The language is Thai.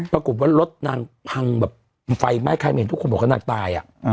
ปรากฏว่ารถนางพังแบบไฟไหม้ใครไม่เห็นทุกคนบอกว่านางตาย